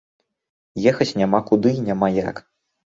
Ехаць няма куды і няма як.